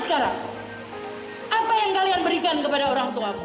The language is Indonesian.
apa yang kalian berikan kepada orang tua